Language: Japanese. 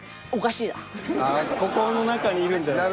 ここの中にいるんじゃない？